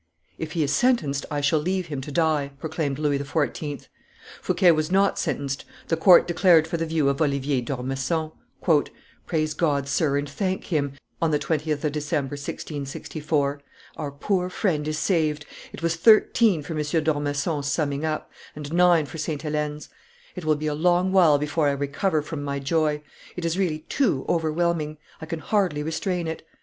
"If he is sentenced, I shall leave him to die," proclaimed Louis XIV. Fouquet was not sentenced; the court declared for the view of Oliver d'Ormesson. "Praise God, sir, and thank Him," wrote Madame de Sevigne, on the 20th of December, 1664, "our poor friend is saved; it was thirteen for M. d'Ormesson's summing up, and nine for Sainte He1ene's. It will be a long while before I recover from my joy; it is really too overwhelming; I can hardly restrain it.